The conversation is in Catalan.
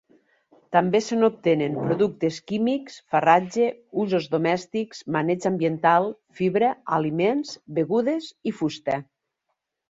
També se n'obtenen productes químics, farratge, usos domèstics, maneig ambiental, fibra, aliments, begudes, i fusta.